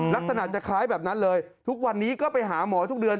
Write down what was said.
ลักษณะจะคล้ายแบบนั้นเลยทุกวันนี้ก็ไปหาหมอทุกเดือน